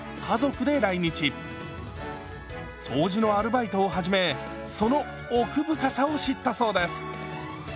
掃除のアルバイトを始めその奥深さを知ったそうです。